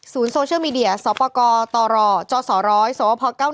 ศูนย์โซเชียลมีเดียสวพกตรจสร้อยสวพ๙๑